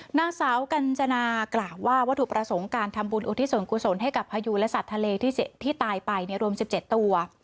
นางสาวกัญจนากล่าวว่าวัตถุประสงค์การทำบุญอุทิศส่วนกุศลให้กับพยูและสัตว์ทะเลที่ตายไปรวม๑๗ตัว